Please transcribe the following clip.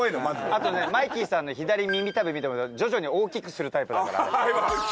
あとね、マイキーさんの左耳たぶ見て、徐々に大きくするタイプだから。